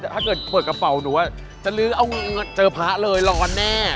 ถ้าเกิดเปิดกระเป๋าหนูจะลื้อเอาเจอพระเลยร้อนแน่